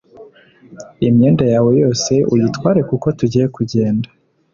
imyenda yawe yose uyitware kuko tugiye kugenda